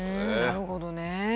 なるほどね。